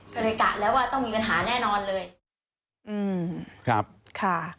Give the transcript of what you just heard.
ก็เลยกะแล้วว่าต้องมีปัญหาแน่นอนเลยอืมครับค่ะ